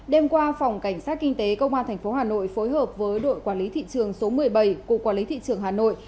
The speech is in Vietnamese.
đêm qua phòng cảnh sát kinh tế công an tp hà nội phối hợp với đội quản lý thị trường số một mươi bảy của quản lý thị trường hà nội